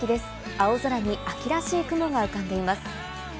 青空に秋らしい雲が浮かんでいます。